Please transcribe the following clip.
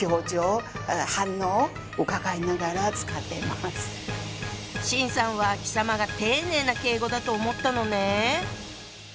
はぁ⁉秦さんは「貴様」が丁寧な敬語だと思ったのね。